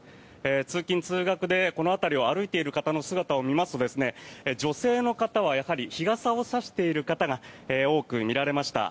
通勤・通学でこの辺りを歩いている方の姿を見ますと女性の方はやはり日傘を差している方が多く見られました。